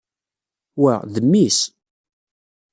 Wa, d mmi-s.